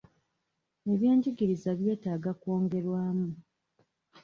Ebyenjigiriza byetaaga kwongerwamu.